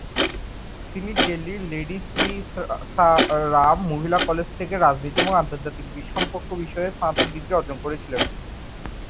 তিনি দিল্লির লেডি শ্রী রাম মহিলা কলেজ থেকে রাজনীতি এবং আন্তর্জাতিক সম্পর্ক বিষয়ে স্নাতক ডিগ্রি অর্জন করেছিলেন।